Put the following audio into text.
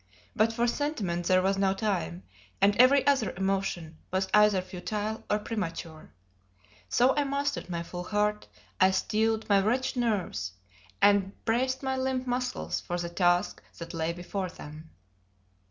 But for sentiment there was no time, and every other emotion was either futile or premature. So I mastered my full heart, I steeled, my wretched nerves, and braced my limp muscles for the task that lay before them.